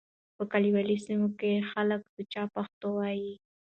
په کليوالو سيمو کې خلک سوچه پښتو وايي.